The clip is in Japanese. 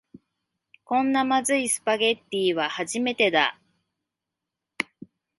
こんなまずいスパゲティは初めてだ